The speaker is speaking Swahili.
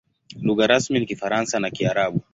Lugha rasmi ni Kifaransa na Kiarabu.